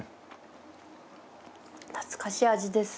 懐かしい味です。